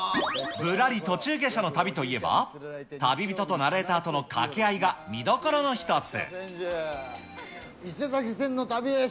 ぶらり途中下車の旅といえば、旅人とナレーターとの掛け合いが見どころの一つ。